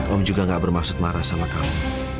om juga gak bermaksud marah sama kami